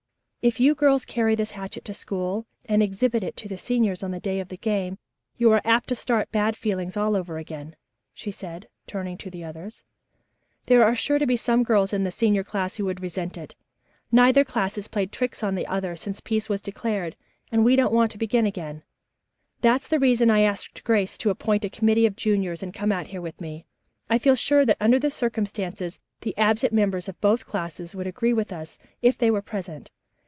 "If you girls carry this hatchet to school and exhibit it to the seniors on the day of the game you are apt to start bad feeling all over again," she said, turning to the others. "There are sure to be some girls in the senior class who would resent it. Neither class has played tricks on the other since peace was declared, and we don't want to begin now. "That's the reason I asked Grace to appoint a committee of juniors and come out here with me. I feel sure that under the circumstances the absent members of both classes would agree with us if they were present.